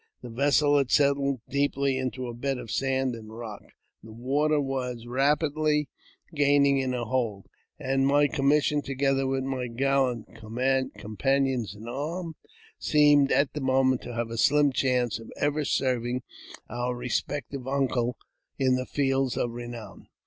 The vessel had settled deeply into a bed of sand and rock ; the water was rapidly gaining in her hold, and my commission, together with my gallant companions in arms, seemed, at that moment, to have a slim chance of ever serving our respected uncle in the " fields of renown."